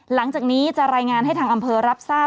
หลังจากนี้จะรายงานให้ทางอำเภอรับทราบ